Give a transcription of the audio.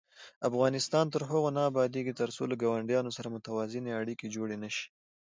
افغانستان تر هغو نه ابادیږي، ترڅو له ګاونډیانو سره متوازنې اړیکې جوړې نشي.